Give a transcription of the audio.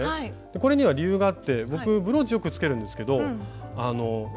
これには理由があって僕ブローチよくつけるんですけどあの落ちちゃうんです。